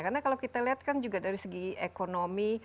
karena kalau kita lihat kan juga dari segi ekonomi